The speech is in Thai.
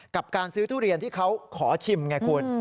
กับการซื้อทุเรียนที่เขาขอชิมไงคุณ